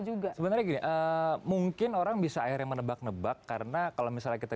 juga sebenarnya mungkin orang bisa air yang menebak nebak karena kalau misalnya kita